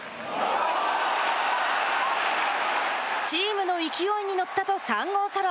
チームの勢いに乗ったと３号ソロ。